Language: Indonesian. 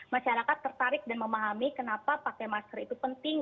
masyarakat tertarik dan memahami kenapa pakai masker itu penting